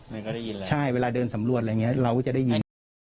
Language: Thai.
มันก็ได้ยินแล้วใช่เวลาเดินสำรวจอะไรอย่างนี้เราก็จะได้ยิน